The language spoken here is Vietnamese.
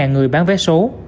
hai mươi người bán vé số